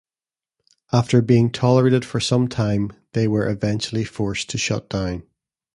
After being tolerated for some time, they were eventually forced to shut down.